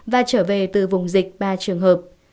và trở về từ vùng dịch ba trường hợp